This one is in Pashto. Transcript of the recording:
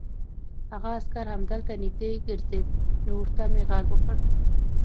هغه عسکر همدلته نږدې ګرځېد، نو ورته مې غږ وکړ.